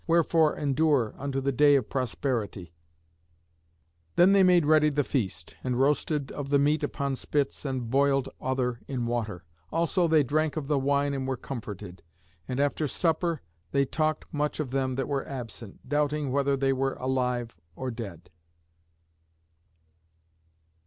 Wherefore endure unto the day of prosperity." [Illustration: NEPTUNE STILLING THE WAVES.] Then they made ready the feast, and roasted of the meat upon spits, and boiled other in water. Also they drank of the wine and were comforted. And after supper they talked much of them that were absent, doubting whether they were alive or dead.